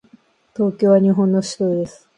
東京は日本の首都です。